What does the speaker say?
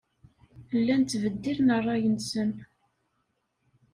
Llan ttbeddilen ṛṛay-nsen.